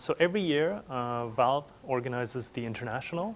setiap tahun valve mengaturkan international